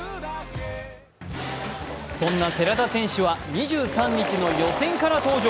そんな寺田選手は２３日の予選から登場。